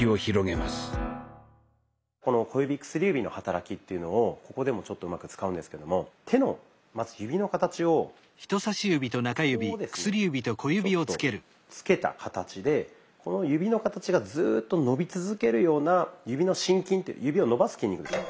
この小指・薬指の働きというのをここでもうまく使うんですけども手のまず指の形をここをですねちょっとつけた形でこの指の形がずっと伸び続けるような指の伸筋指を伸ばす筋肉ですね。